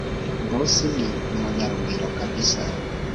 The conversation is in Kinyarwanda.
Bosi ni umunya rugwiro kbx